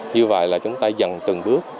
như vậy là chúng ta dần từng bước